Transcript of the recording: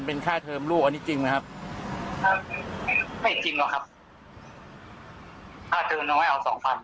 ตอนนั้นเรียนอยู่พระเยาว์